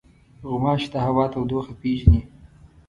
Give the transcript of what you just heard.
غوماشې د هوا تودوخه پېژني.